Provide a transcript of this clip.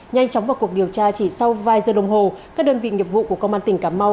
nhanh chóng vào cuộc điều tra chỉ sau vài giờ đồng hồ các đơn vị nghiệp vụ của công an tỉnh cà mau